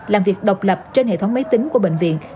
làm việc độc lập trên hệ thống máy tính của bệnh viện